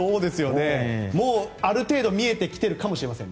もうある程度見えてきているかもしれません。